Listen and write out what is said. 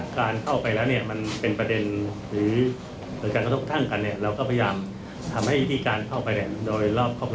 ขอบรักกุมที่สุดครับ